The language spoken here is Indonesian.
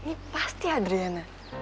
ini pasti adriana